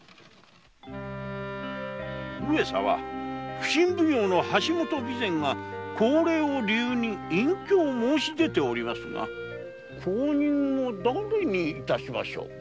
普請奉行の橋本備前が高齢を理由に隠居を申し出ておりますが後任をだれに致しましょうか？